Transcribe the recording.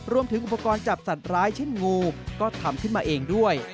รวมถึงอุปกรณ์จับสัตว์ร้ายเช่นงูก็ทำขึ้นมาเองด้วย